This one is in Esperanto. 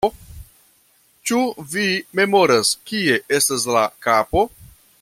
Ĉu vi memoras kie estas la kapo?